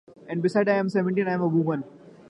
And besides, I’m almost seventeen: I’m a woman.